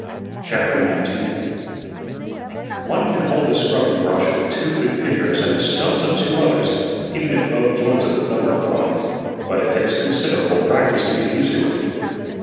CHAPTER 19 One can hold a scrubbing brush with two good fingers and the stumps of two others even if both joints of the thumb are gone, but it takes considerable practice to get used to it.